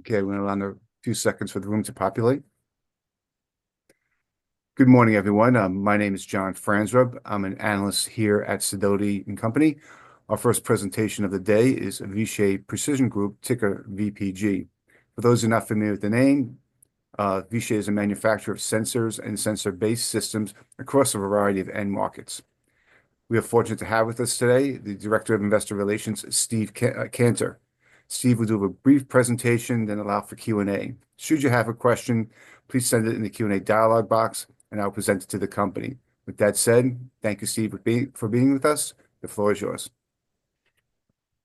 Okay, we're going to allow a few seconds for the room to populate. Good morning, everyone. My name is John Franzreb. I'm an analyst here at Sidoti & Company. Our first presentation of the day is Vishay Precision Group, ticker VPG. For those who are not familiar with the name, Vishay is a manufacturer of sensors and sensor-based systems across a variety of end markets. We are fortunate to have with us today the Director of Investor Relations, Steve Cantor. Steve will do a brief presentation and then allow for Q&A. Should you have a question, please send it in the Q&A dialog box, and I'll present it to the company. With that said, thank you, Steve, for being with us. The floor is yours.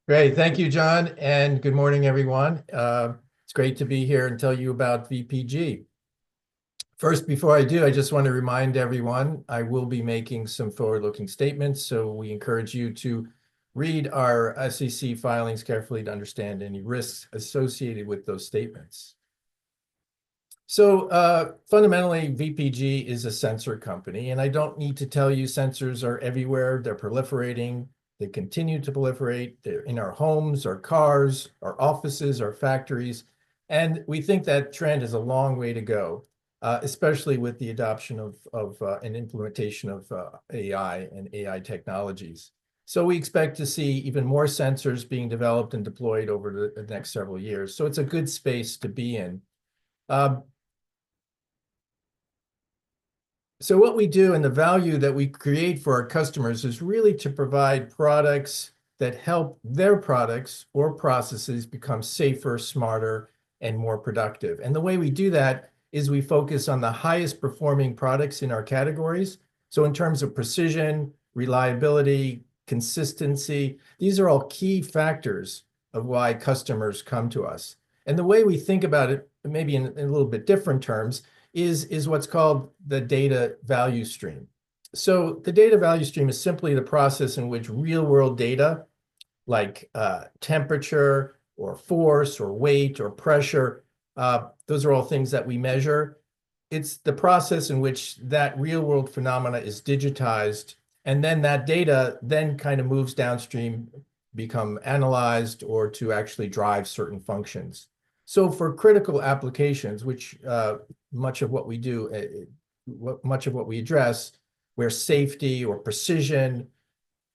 Great. Thank you, John, and good morning, everyone. It's great to be here and tell you about VPG. First, before I do, I just want to remind everyone I will be making some forward-looking statements, so we encourage you to read our SEC filings carefully to understand any risks associated with those statements. So fundamentally, VPG is a sensor company, and I don't need to tell you sensors are everywhere. They're proliferating. They continue to proliferate. They're in our homes, our cars, our offices, our factories. And we think that trend is a long way to go, especially with the adoption of and implementation of AI and AI technologies. So we expect to see even more sensors being developed and deployed over the next several years. So it's a good space to be in. So what we do and the value that we create for our customers is really to provide products that help their products or processes become safer, smarter, and more productive. And the way we do that is we focus on the highest-performing products in our categories. So in terms of precision, reliability, consistency, these are all key factors of why customers come to us. And the way we think about it, maybe in a little bit different terms, is what's called the data value stream. So the data value stream is simply the process in which real-world data like temperature or force or weight or pressure, those are all things that we measure. It's the process in which that real-world phenomena is digitized, and then that data then kind of moves downstream, becomes analyzed, or to actually drive certain functions. For critical applications, which much of what we do, much of what we address, where safety or precision,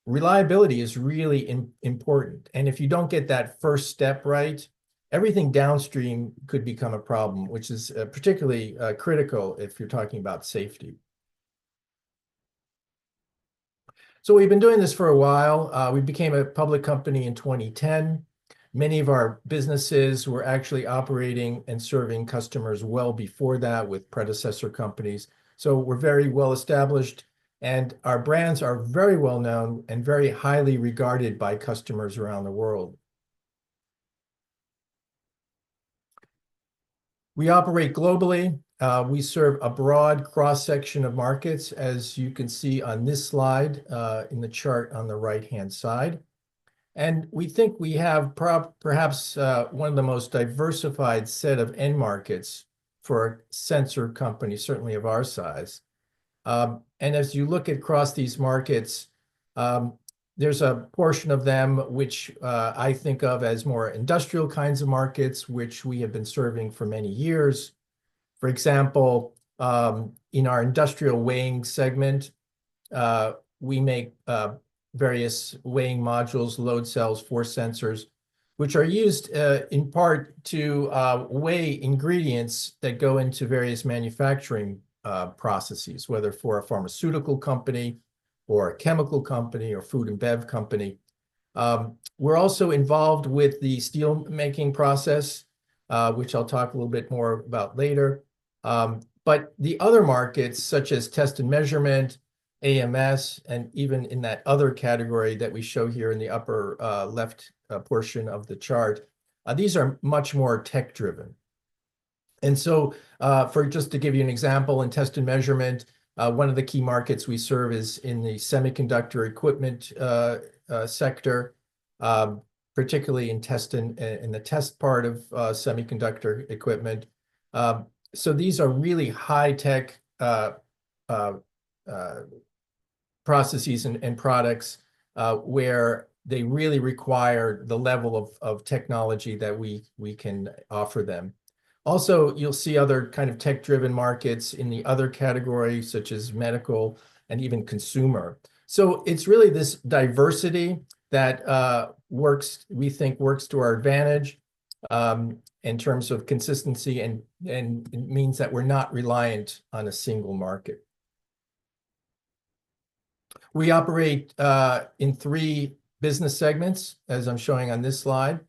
reliability is really important. If you don't get that first step right, everything downstream could become a problem, which is particularly critical if you're talking about safety. We've been doing this for a while. We became a public company in 2010. Many of our businesses were actually operating and serving customers well before that with predecessor companies. We're very well established, and our brands are very well known and very highly regarded by customers around the world. We operate globally. We serve a broad cross-section of markets, as you can see on this slide in the chart on the right-hand side. We think we have perhaps one of the most diversified sets of end markets for a sensor company, certainly of our size. As you look across these markets, there's a portion of them which I think of as more industrial kinds of markets, which we have been serving for many years. For example, in our industrial weighing segment, we make various weighing modules, load cells, force sensors, which are used in part to weigh ingredients that go into various manufacturing processes, whether for a pharmaceutical company or a chemical company or food and bev company. We're also involved with the steelmaking process, which I'll talk a little bit more about later. The other markets, such as test and measurement, AMS, and even in that other category that we show here in the upper left portion of the chart, these are much more tech-driven. And so, just to give you an example in test and measurement, one of the key markets we serve is in the semiconductor equipment sector, particularly in the test part of semiconductor equipment. So these are really high-tech processes and products where they really require the level of technology that we can offer them. Also, you'll see other kind of tech-driven markets in the other category, such as medical and even consumer. So it's really this diversity that works, we think, works to our advantage in terms of consistency and means that we're not reliant on a single market. We operate in three business segments, as I'm showing on this slide: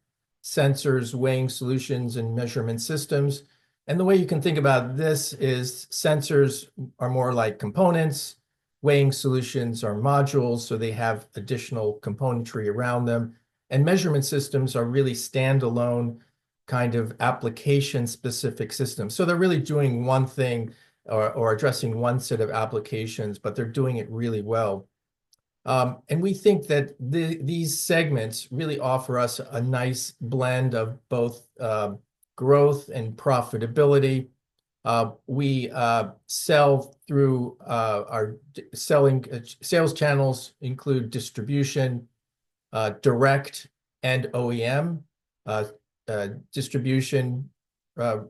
sensors, weighing solutions, and measurement systems. And the way you can think about this is sensors are more like components. Weighing solutions are modules, so they have additional componentry around them. Measurement systems are really standalone kind of application-specific systems. They're really doing one thing or addressing one set of applications, but they're doing it really well. We think that these segments really offer us a nice blend of both growth and profitability. Sales channels include distribution, direct, and OEM. Distribution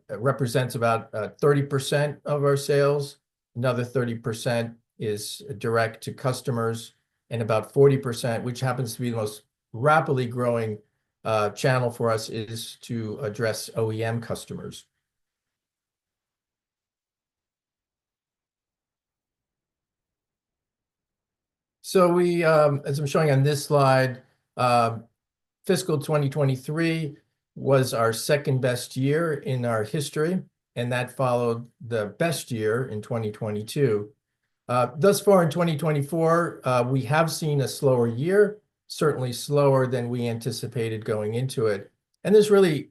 represents about 30% of our sales. Another 30% is direct to customers. About 40%, which happens to be the most rapidly growing channel for us, is to address OEM customers. As I'm showing on this slide, fiscal 2023 was our second-best year in our history, and that followed the best year in 2022. Thus far, in 2024, we have seen a slower year, certainly slower than we anticipated going into it. This really,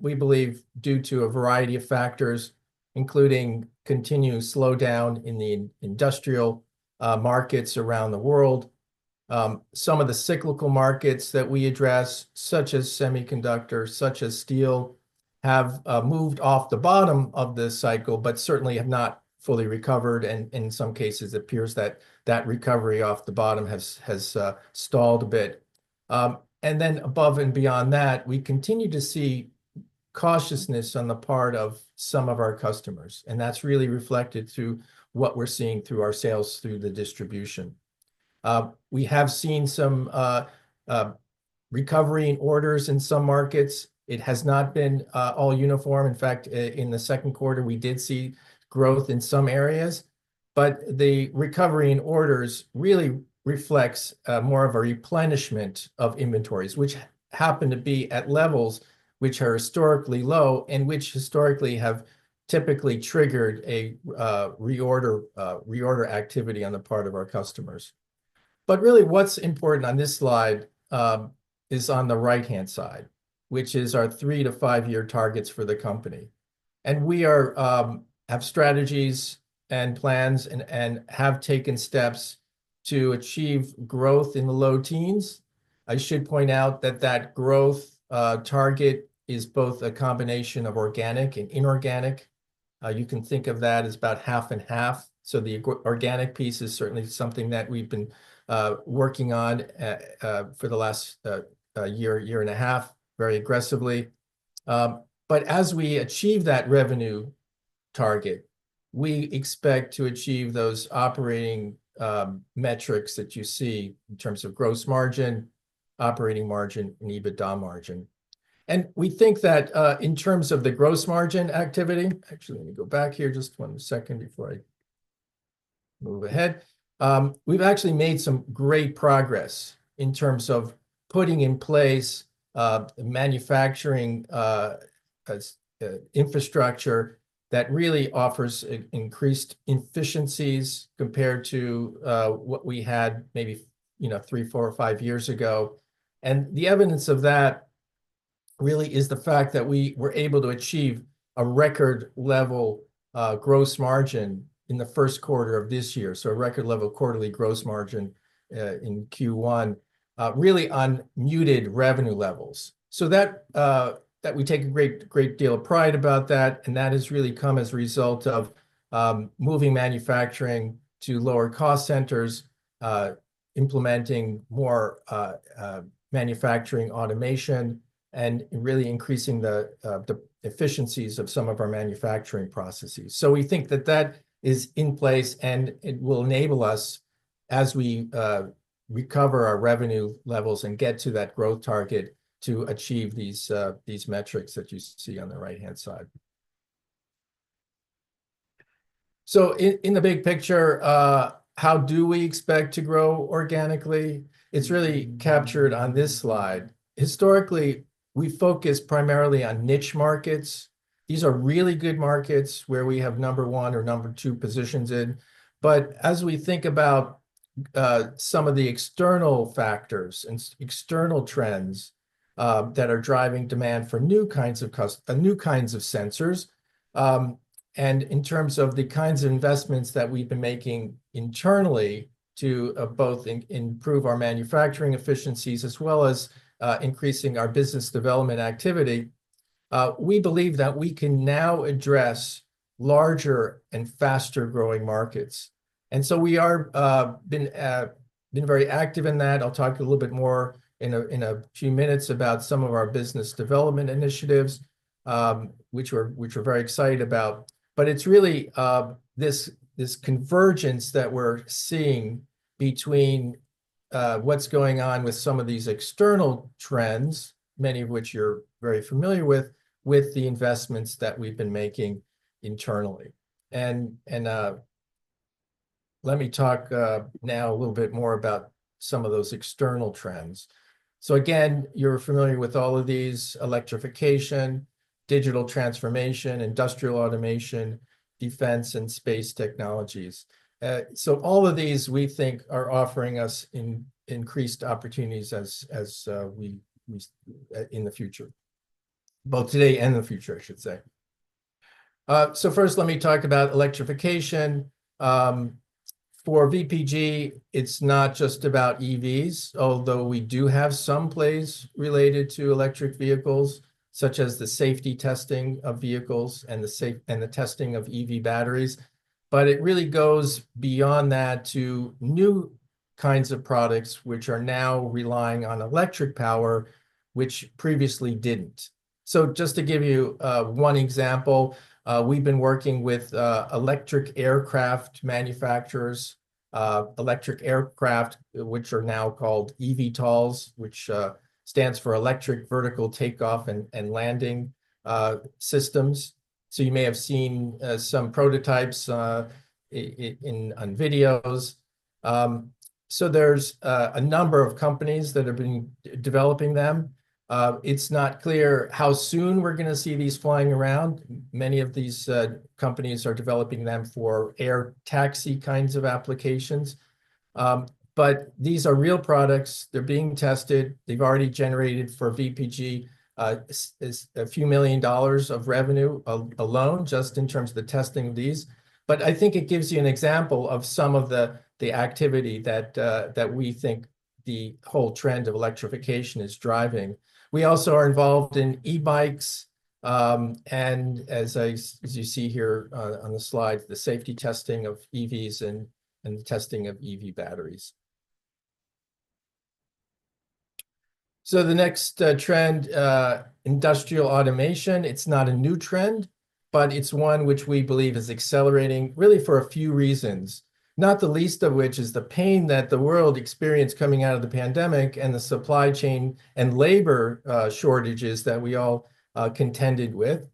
we believe, due to a variety of factors, including continued slowdown in the industrial markets around the world. Some of the cyclical markets that we address, such as semiconductors, such as steel, have moved off the bottom of the cycle, but certainly have not fully recovered, and in some cases, it appears that that recovery off the bottom has stalled a bit, and then above and beyond that, we continue to see cautiousness on the part of some of our customers, and that's really reflected through what we're seeing through our sales through the distribution. We have seen some recovery in orders in some markets. It has not been all uniform. In fact, in the second quarter, we did see growth in some areas, but the recovery in orders really reflects more of a replenishment of inventories, which happen to be at levels which are historically low and which historically have typically triggered a reorder activity on the part of our customers. But really, what's important on this slide is on the right-hand side, which is our three to five-year targets for the company. And we have strategies and plans and have taken steps to achieve growth in the low teens. I should point out that that growth target is both a combination of organic and inorganic. You can think of that as about half and half. So the organic piece is certainly something that we've been working on for the last year, year and a half, very aggressively. But as we achieve that revenue target, we expect to achieve those operating metrics that you see in terms of gross margin, operating margin, and EBITDA margin. We think that in terms of the gross margin activity. Actually, let me go back here just one second before I move ahead. We've actually made some great progress in terms of putting in place manufacturing infrastructure that really offers increased efficiencies compared to what we had maybe three, four, or five years ago. The evidence of that really is the fact that we were able to achieve a record-level gross margin in the first quarter of this year, so a record-level quarterly gross margin in Q1, really unmuted revenue levels. We take a great deal of pride about that. That has really come as a result of moving manufacturing to lower-cost centers, implementing more manufacturing automation, and really increasing the efficiencies of some of our manufacturing processes. So we think that that is in place, and it will enable us, as we recover our revenue levels and get to that growth target, to achieve these metrics that you see on the right-hand side. So in the big picture, how do we expect to grow organically? It's really captured on this slide. Historically, we focused primarily on niche markets. These are really good markets where we have number one or number two positions in. But as we think about some of the external factors and external trends that are driving demand for new kinds of sensors, and in terms of the kinds of investments that we've been making internally to both improve our manufacturing efficiencies as well as increasing our business development activity, we believe that we can now address larger and faster-growing markets. And so we have been very active in that. I'll talk a little bit more in a few minutes about some of our business development initiatives, which we're very excited about. But it's really this convergence that we're seeing between what's going on with some of these external trends, many of which you're very familiar with, with the investments that we've been making internally. And let me talk now a little bit more about some of those external trends. So again, you're familiar with all of these: electrification, digital transformation, industrial automation, defense, and space technologies. So all of these, we think, are offering us increased opportunities in the future, both today and in the future, I should say. So first, let me talk about electrification. For VPG, it's not just about EVs, although we do have some plays related to electric vehicles, such as the safety testing of vehicles and the testing of EV batteries. But it really goes beyond that to new kinds of products which are now relying on electric power, which previously didn't. So just to give you one example, we've been working with electric aircraft manufacturers, electric aircraft, which are now called eVTOLs, which stands for Electric Vertical Takeoff and Landing systems. So you may have seen some prototypes on videos. So there's a number of companies that have been developing them. It's not clear how soon we're going to see these flying around. Many of these companies are developing them for air taxi kinds of applications. But these are real products. They're being tested. They've already generated, for VPG, a few million dollars of revenue alone just in terms of the testing of these. But I think it gives you an example of some of the activity that we think the whole trend of electrification is driving. We also are involved in e-bikes, and as you see here on the slide, the safety testing of EVs and the testing of EV batteries, so the next trend, industrial automation, it's not a new trend, but it's one which we believe is accelerating really for a few reasons, not the least of which is the pain that the world experienced coming out of the pandemic and the supply chain and labor shortages that we all contended with,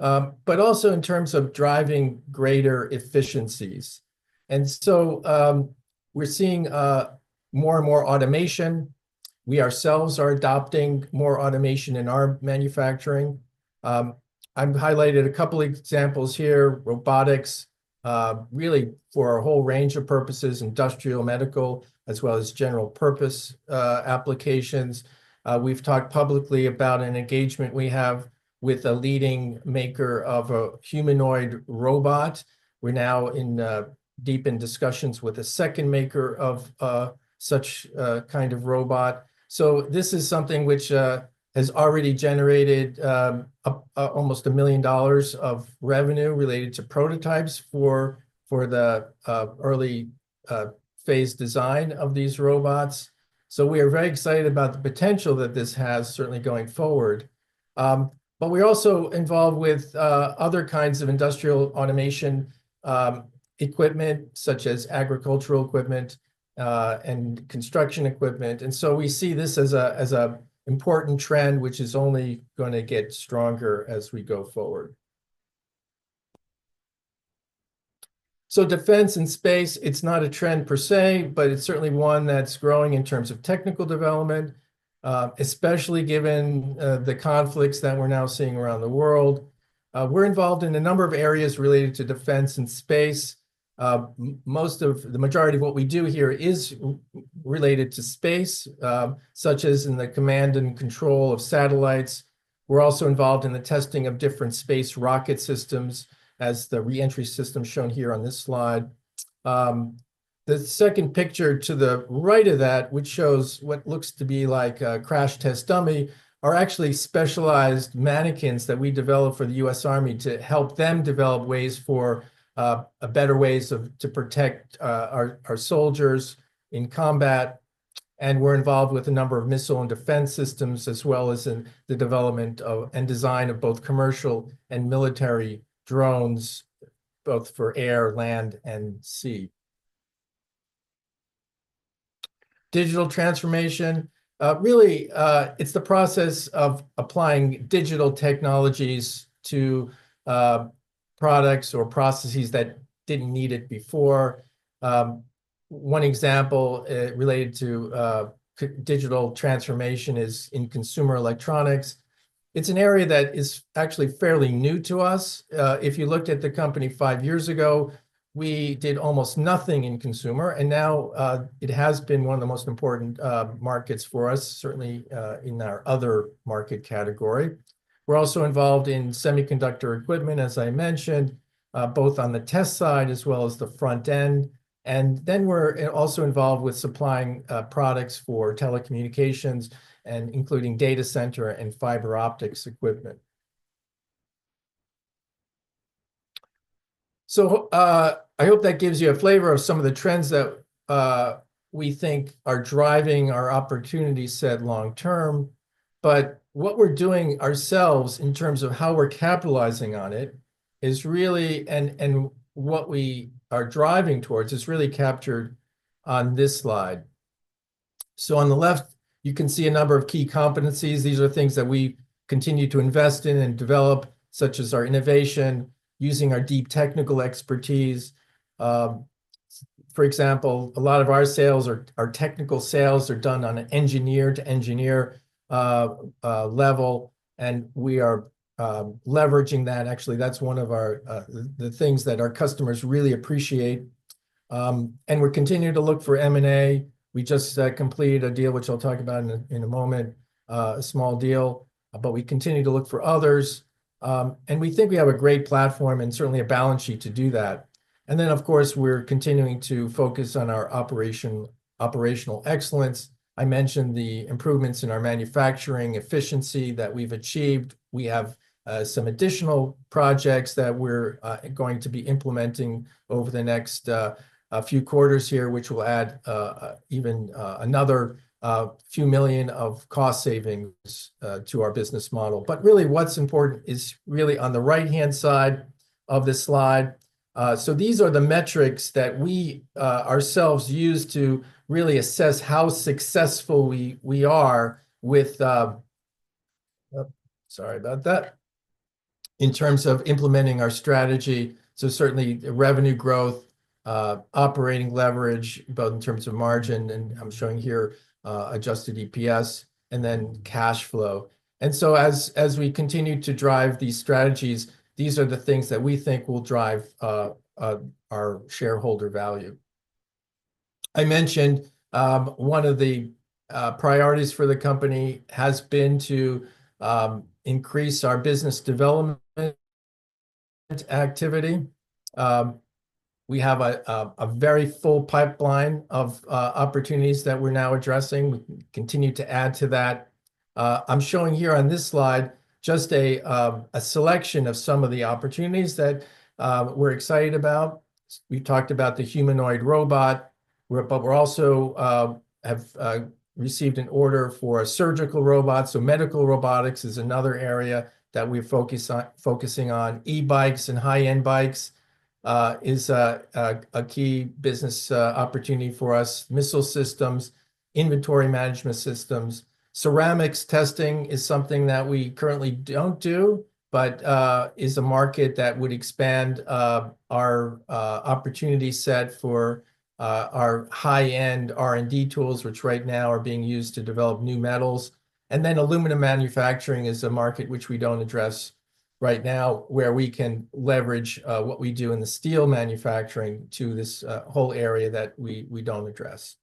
but also in terms of driving greater efficiencies, and so we're seeing more and more automation. We ourselves are adopting more automation in our manufacturing. I've highlighted a couple of examples here: robotics, really for a whole range of purposes, industrial, medical, as well as general-purpose applications. We've talked publicly about an engagement we have with a leading maker of a humanoid robot. We're now deep in discussions with a second maker of such a kind of robot. So this is something which has already generated almost $1 million of revenue related to prototypes for the early phase design of these robots. So we are very excited about the potential that this has certainly going forward. But we're also involved with other kinds of industrial automation equipment, such as agricultural equipment and construction equipment. And so we see this as an important trend, which is only going to get stronger as we go forward. So Defense and Space, it's not a trend per se, but it's certainly one that's growing in terms of technical development, especially given the conflicts that we're now seeing around the world. We're involved in a number of areas related to Defense and Space. The majority of what we do here is related to space, such as in the command and control of satellites. We're also involved in the testing of different space rocket systems, as the reentry system shown here on this slide. The second picture to the right of that, which shows what looks to be like a crash test dummy, are actually specialized mannequins that we developed for the U.S. Army to help them develop better ways to protect our soldiers in combat. We're involved with a number of missile and defense systems, as well as in the development and design of both commercial and military drones, both for air, land, and sea. Digital transformation, really, it's the process of applying digital technologies to products or processes that didn't need it before. One example related to digital transformation is in consumer electronics. It's an area that is actually fairly new to us. If you looked at the company five years ago, we did almost nothing in consumer. And now it has been one of the most important markets for us, certainly in our other market category. We're also involved in semiconductor equipment, as I mentioned, both on the test side as well as the front end. And then we're also involved with supplying products for telecommunications, including data center and fiber optics equipment. So I hope that gives you a flavor of some of the trends that we think are driving our opportunity set long term. But what we're doing ourselves in terms of how we're capitalizing on it is really and what we are driving towards is really captured on this slide. So on the left, you can see a number of key competencies. These are things that we continue to invest in and develop, such as our innovation, using our deep technical expertise. For example, a lot of our technical sales are done on an engineer-to-engineer level, and we are leveraging that. Actually, that's one of the things that our customers really appreciate, and we're continuing to look for M&A. We just completed a deal, which I'll talk about in a moment, a small deal, but we continue to look for others, and we think we have a great platform and certainly a balance sheet to do that, and then, of course, we're continuing to focus on our operational excellence. I mentioned the improvements in our manufacturing efficiency that we've achieved. We have some additional projects that we're going to be implementing over the next few quarters here, which will add even another few million of cost savings to our business model. But really, what's important is really on the right-hand side of this slide. So these are the metrics that we ourselves use to really assess how successful we are with sorry about that in terms of implementing our strategy. So certainly, revenue growth, operating leverage, both in terms of margin, and I'm showing here Adjusted EPS, and then cash flow. And so as we continue to drive these strategies, these are the things that we think will drive our shareholder value. I mentioned one of the priorities for the company has been to increase our business development activity. We have a very full pipeline of opportunities that we're now addressing. We continue to add to that. I'm showing here on this slide just a selection of some of the opportunities that we're excited about. We've talked about the humanoid robot, but we also have received an order for a surgical robot. So medical robotics is another area that we're focusing on. E-bikes and high-end bikes is a key business opportunity for us. Missile systems, inventory management systems, ceramics testing is something that we currently don't do, but is a market that would expand our opportunity set for our high-end R&D tools, which right now are being used to develop new metals. And then aluminum manufacturing is a market which we don't address right now, where we can leverage what we do in the steel manufacturing to this whole area that we don't address.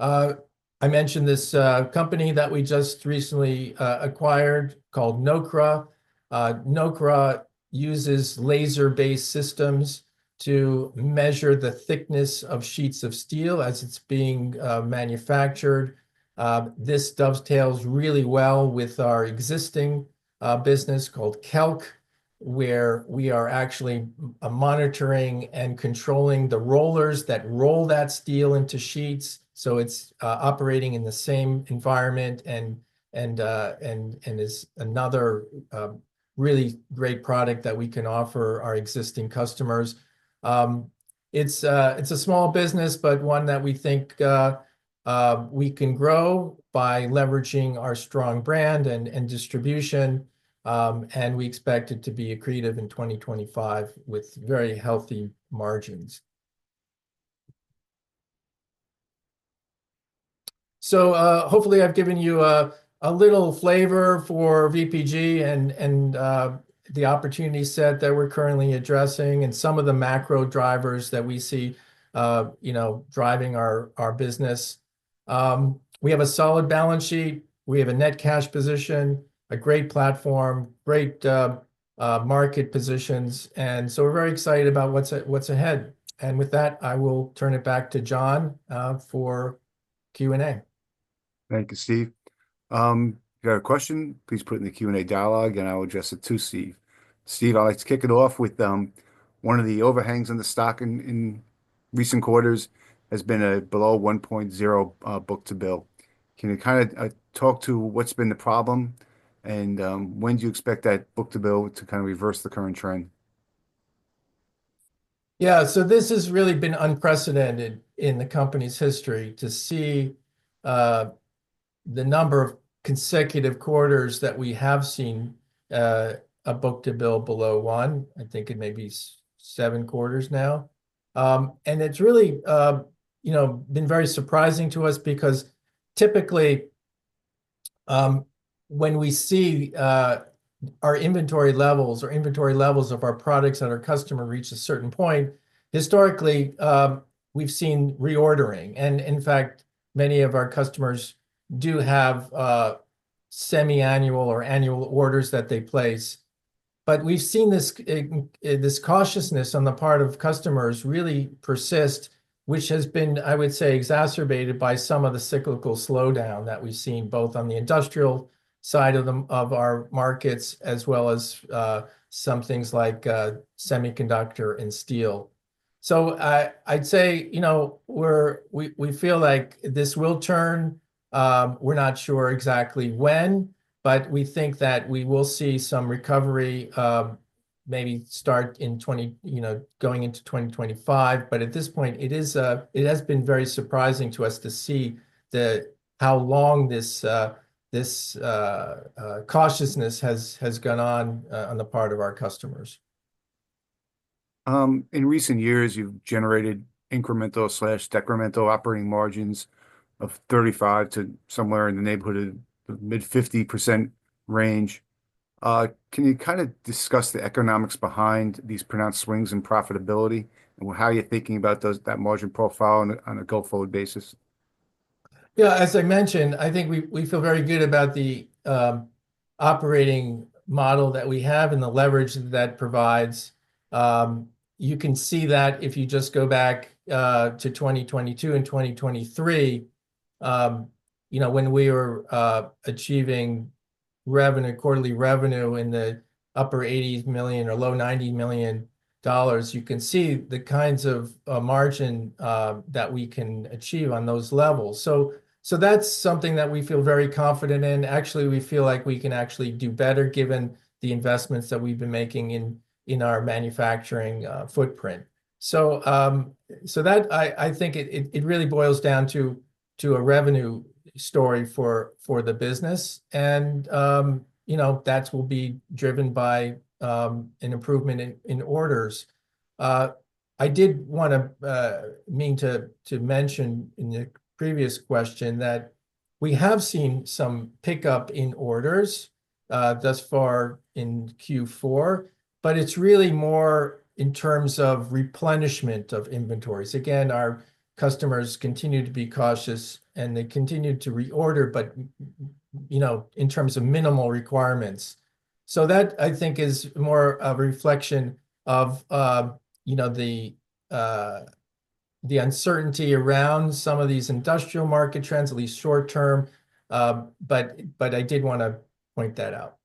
I mentioned this company that we just recently acquired called Nokra. Nokra uses laser-based systems to measure the thickness of sheets of steel as it's being manufactured. This dovetails really well with our existing business called KELK, where we are actually monitoring and controlling the rollers that roll that steel into sheets. So it's operating in the same environment and is another really great product that we can offer our existing customers. It's a small business, but one that we think we can grow by leveraging our strong brand and distribution. And we expect it to be accretive in 2025 with very healthy margins. So hopefully, I've given you a little flavor for VPG and the opportunity set that we're currently addressing and some of the macro drivers that we see driving our business. We have a solid balance sheet. We have a net cash position, a great platform, great market positions. And so we're very excited about what's ahead. And with that, I will turn it back to John for Q&A. Thank you, Steve. If you have a question, please put it in the Q&A dialogue, and I'll address it to Steve. Steve, I'd like to kick it off with one of the overhangs on the stock in recent quarters has been a below 1.0 book-to-bill. Can you kind of talk to what's been the problem and when do you expect that book-to-bill to kind of reverse the current trend? Yeah. So this has really been unprecedented in the company's history to see the number of consecutive quarters that we have seen a book-to-bill below one. I think it may be seven quarters now. And it's really been very surprising to us because typically, when we see our inventory levels or inventory levels of our products that our customer reaches a certain point, historically, we've seen reordering. And in fact, many of our customers do have semi-annual or annual orders that they place. But we've seen this cautiousness on the part of customers really persist, which has been, I would say, exacerbated by some of the cyclical slowdown that we've seen both on the industrial side of our markets as well as some things like semiconductor and steel. So I'd say we feel like this will turn. We're not sure exactly when, but we think that we will see some recovery maybe start going into 2025. But at this point, it has been very surprising to us to see how long this cautiousness has gone on on the part of our customers. In recent years, you've generated incremental/decremental operating margins of 35% to somewhere in the neighborhood of mid-50% range. Can you kind of discuss the economics behind these pronounced swings in profitability and how you're thinking about that margin profile on a go-forward basis? Yeah. As I mentioned, I think we feel very good about the operating model that we have and the leverage that that provides. You can see that if you just go back to 2022 and 2023, when we were achieving quarterly revenue in the upper $80 million or low $90 million, you can see the kinds of margin that we can achieve on those levels. So that's something that we feel very confident in. Actually, we feel like we can actually do better given the investments that we've been making in our manufacturing footprint. So I think it really boils down to a revenue story for the business, and that will be driven by an improvement in orders. I did want to meant to mention in the previous question that we have seen some pickup in orders thus far in Q4, but it's really more in terms of replenishment of inventories. Again, our customers continue to be cautious, and they continue to reorder, but in terms of minimal requirements. So that, I think, is more a reflection of the uncertainty around some of these industrial market trends, at least short term. But I did want to point that out.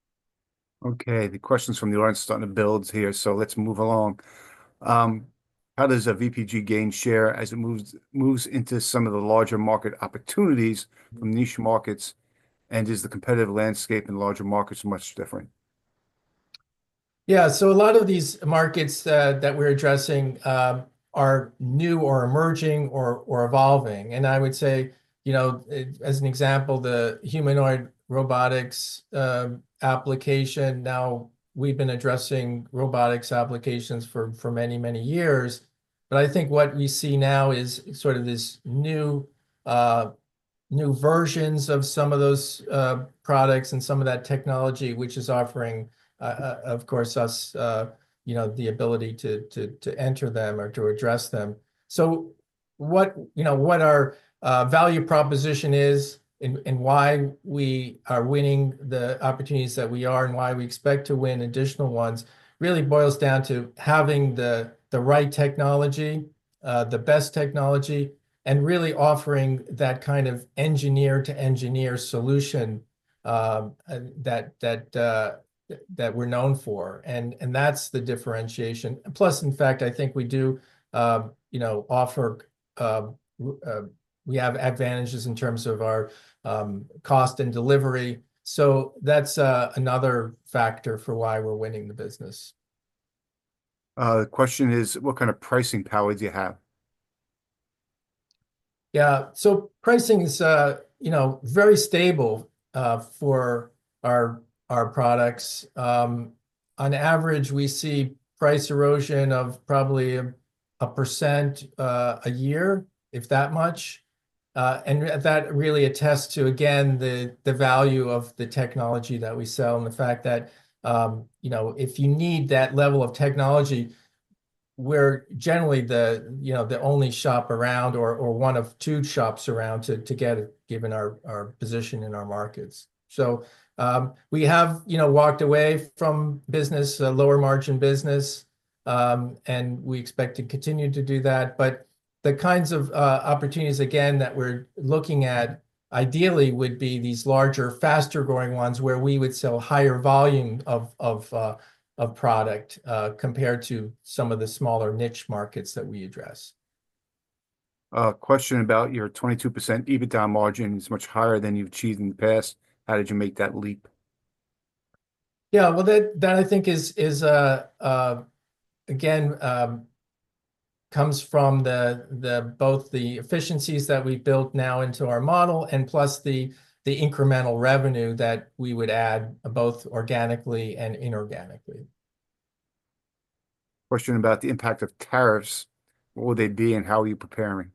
Okay. The questions from the audience starting to build here. So let's move along. How does VPG gain share as it moves into some of the larger market opportunities from niche markets? And is the competitive landscape in larger markets much different? Yeah. So a lot of these markets that we're addressing are new or emerging or evolving. I would say, as an example, the humanoid robotics application. Now, we've been addressing robotics applications for many, many years. But I think what we see now is sort of these new versions of some of those products and some of that technology, which is offering, of course, us the ability to enter them or to address them. So what our value proposition is and why we are winning the opportunities that we are and why we expect to win additional ones really boils down to having the right technology, the best technology, and really offering that kind of engineer-to-engineer solution that we're known for. And that's the differentiation. Plus, in fact, I think we do offer. We have advantages in terms of our cost and delivery. So that's another factor for why we're winning the business. The question is, what kind of pricing power do you have? Yeah. So pricing is very stable for our products. On average, we see price erosion of probably 1% a year, if that much. And that really attests to, again, the value of the technology that we sell and the fact that if you need that level of technology, we're generally the only shop around or one of two shops around to get it given our position in our markets. So we have walked away from business, a lower margin business, and we expect to continue to do that. But the kinds of opportunities, again, that we're looking at ideally would be these larger, faster-growing ones where we would sell higher volume of product compared to some of the smaller niche markets that we address. Question about your 22% EBITDA margin is much higher than you've achieved in the past. How did you make that leap? Yeah. Well, that, I think, again, comes from both the efficiencies that we've built now into our model and plus the incremental revenue that we would add both organically and inorganically. Question about the impact of tariffs. What will they be and how are you preparing?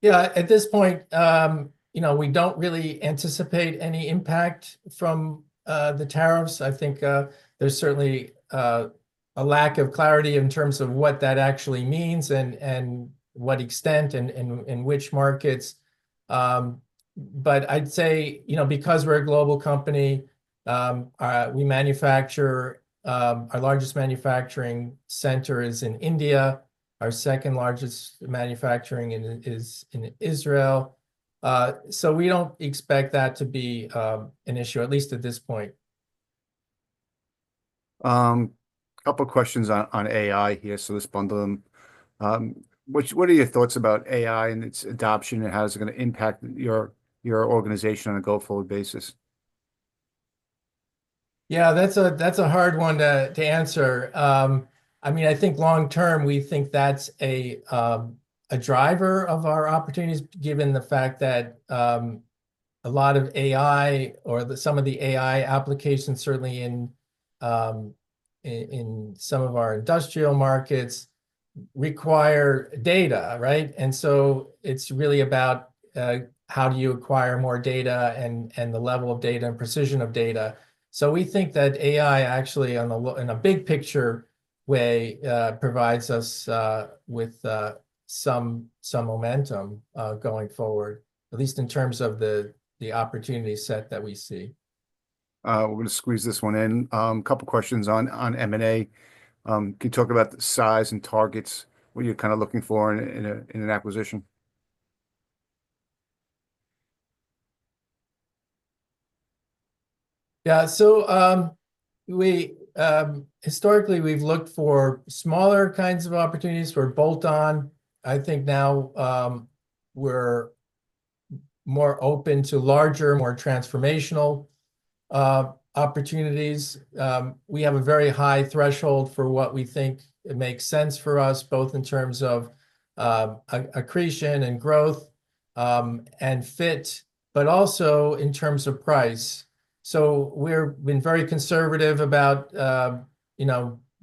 Yeah. At this point, we don't really anticipate any impact from the tariffs. I think there's certainly a lack of clarity in terms of what that actually means and what extent and in which markets. But I'd say, because we're a global company, our largest manufacturing center is in India. Our second largest manufacturing is in Israel. So we don't expect that to be an issue, at least at this point. Couple of questions on AI here. So let's bundle them. What are your thoughts about AI and its adoption and how is it going to impact your organization on a twofold basis? Yeah. That's a hard one to answer. I mean, I think long-term, we think that's a driver of our opportunities given the fact that a lot of AI or some of the AI applications certainly in some of our industrial markets require data, right? And so it's really about how do you acquire more data and the level of data and precision of data. So we think that AI, actually, in a big-picture way, provides us with some momentum going forward, at least in terms of the opportunity set that we see. We're going to squeeze this one in. A couple of questions on M&A. Can you talk about the size and targets, what you're kind of looking for in an acquisition? Yeah. So historically, we've looked for smaller kinds of opportunities for bolt-on. I think now we're more open to larger, more transformational opportunities. We have a very high threshold for what we think makes sense for us, both in terms of accretion and growth and fit, but also in terms of price. So we've been very conservative about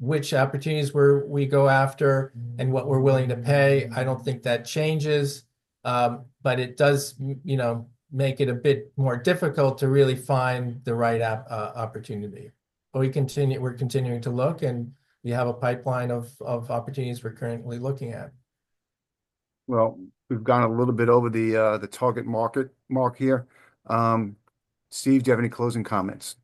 which opportunities we go after and what we're willing to pay. I don't think that changes, but it does make it a bit more difficult to really find the right opportunity. But we're continuing to look, and we have a pipeline of opportunities we're currently looking at. Well, we've gone a little bit over the target market mark here. Steve, do you have any closing comments?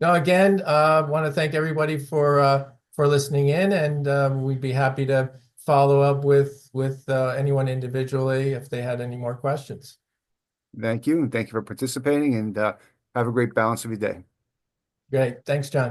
No, again, I want to thank everybody for listening in, and we'd be happy to follow up with anyone individually if they had any more questions. Thank you. And thank you for participating, and have a great balance of your day. Great. Thanks, John.